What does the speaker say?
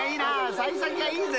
幸先がいいぜ］